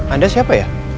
anda siapa ya